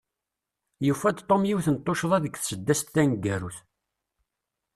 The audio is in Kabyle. Yufa-d Tom yiwet n tuccḍa deg tsedast taneggarut.